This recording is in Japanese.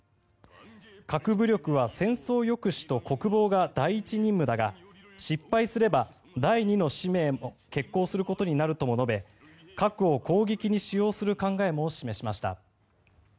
核武力は戦争抑止と国防が第１任務だが失敗すれば第２の使命も決行することになるとも述べ核を攻撃に使用する考えも示しました。